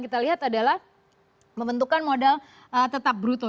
kita lihat adalah membentukkan modal tetap bruto